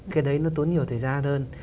cái đấy nó tốn nhiều thời gian hơn